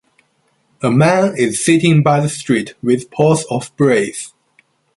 A man is sitting by the street with pots of brass.